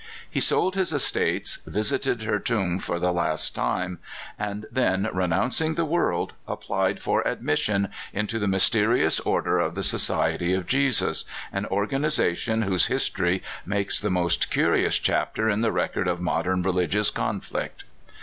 He sold his estates, visited her tomb for the last time, and then, renouncing the world, applied for admission into the mysterious order of the Society of Jesus, an organization whose history makes the most curious chapter in the record of modern religious conflict.